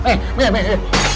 nah nah nah